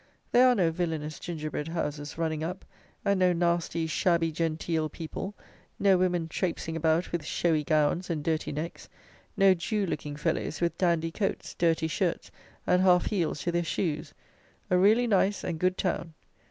There are no villanous gingerbread houses running up, and no nasty, shabby genteel people; no women trapesing about with showy gowns and dirty necks; no jew looking fellows with dandy coats, dirty shirts, and half heels to their shoes. A really nice and good town.